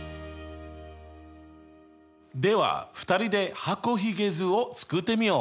では２人で箱ひげ図を作ってみよう！